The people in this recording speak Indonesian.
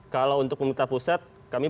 kalau untuk pemerintah pusat kami baru harap ya